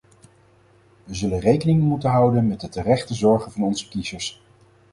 We zullen rekening moeten houden met de terechte zorgen van onze kiezers.